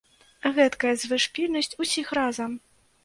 Гэткая звышпільнасць усіх разам!